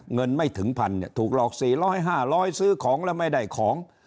เงินไม่ถึง๑๐๐เนี่ยถูกหลอก๔๐๐๕๐๐ซื้อของแล้วไม่ได้ของ